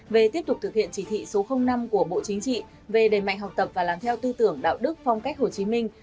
về tiếp tục thực hiện chỉ thị số năm của bộ chính trị về đề mạnh học tập và làm theo tư tưởng đạo đức phong cách hồ chí minh